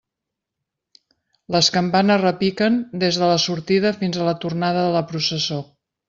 Les campanes repiquen des de la sortida fins a la tornada de la processó.